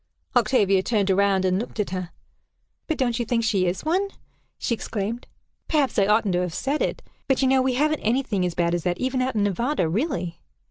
Octavia turned around, and looked at her. "But don't you think she is one?" she exclaimed. "Perhaps I oughtn't to have said it; but you know we haven't any thing as bad as that, even out in Nevada really!"